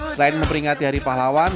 selain memperingati hari pahlawan